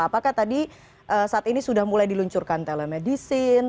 apakah tadi saat ini sudah mulai diluncurkan telemedicine